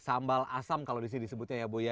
sambal asam kalau di sini disebutnya ya bu ya